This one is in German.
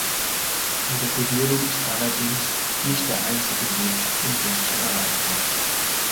Die Regulierung ist allerdings nicht der einzige Weg, um dies zu erreichen.